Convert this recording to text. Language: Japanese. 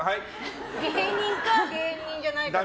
芸人か芸人じゃないかって。